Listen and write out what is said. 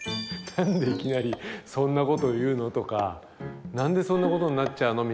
「何でいきなりそんなこと言うの？」とか「何でそんなことになっちゃうの？」